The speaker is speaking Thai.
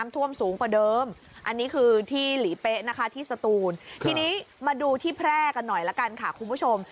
ที่สตูนทีนี้มาดูที่แพร่กันหน่อยแล้วกันค่ะคุณผู้ชม